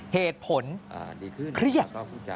เหตุผลดีเครียด